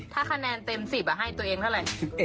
ถ้าคะแนนเต็ม๑๐ให้ตัวเองเท่าไหร่